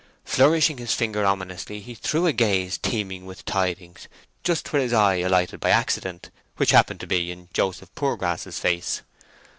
Flourishing his finger ominously he threw a gaze teeming with tidings just where his eye alighted by accident, which happened to be in Joseph Poorgrass's face.